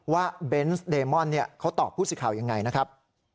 เบนส์เดมอนเขาตอบผู้สื่อข่าวยังไงนะครับ